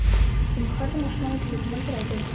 زموږ خر د ماشومانو د لوبو ملګری دی.